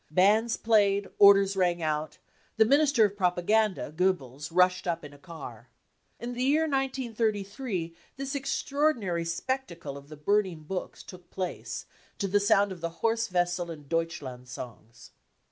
Bands played, orders rang out, the Minister of Propaganda, Goebbels, rushed up in a car. In the year 1933 this extra ordinary spectacle of the burning of books took place, to the sound of the Horst Wessel and Deutschland songs.